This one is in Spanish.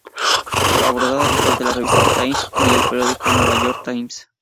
Colaborador habitual de la revista "Times" y del periódico "New York Times".